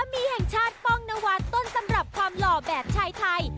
มีแห่งชาติป้องนวัดต้นตำรับความหล่อแบบชายไทย